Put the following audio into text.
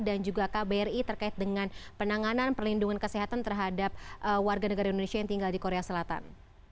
dan juga kbri terkait dengan penanganan perlindungan kesehatan terhadap warga negara indonesia yang tinggal di korea selatan